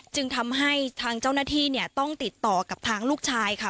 จึงทำให้ทางเจ้าหน้าที่เนี่ยต้องติดต่อกับทางลูกชายค่ะ